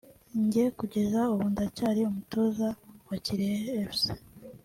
njye kugeza ubu ndacyari umutoza wa Kirehe Fc”